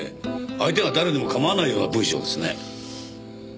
相手が誰でも構わないような文章ですね。